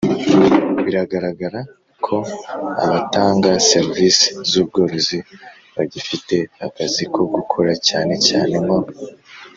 Biragaragara ko abatanga serivisi z ubworozi bagifite akazi ko gukora cyane cyane nko